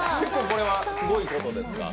これはすごいことですか？